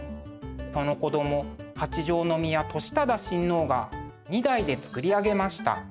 その子供八条宮智忠親王が二代で作りあげました。